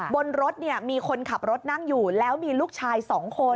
บนรถเนี่ยมีคนขับรถนั่งอยู่แล้วมีลูกชาย๒คน